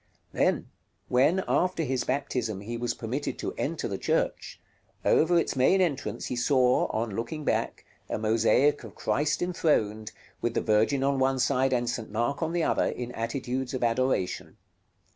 § LXVI. Then, when after his baptism he was permitted to enter the church, over its main entrance he saw, on looking back, a mosaic of Christ enthroned, with the Virgin on one side and St. Mark on the other, in attitudes of adoration.